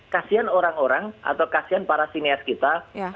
kasian orang orang atau kasian para sinias kita